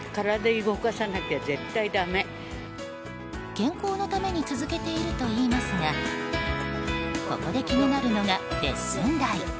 健康のために続けているといいますがここで気になるのがレッスン代。